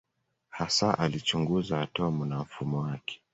Hasa alichunguza atomu na mfumo wake.